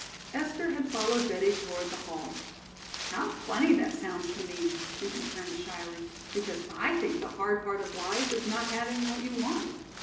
Esther had followed Betty toward the hall. "How funny that sounds to me," she returned shyly, "because I think the hard part of life is not having what you want.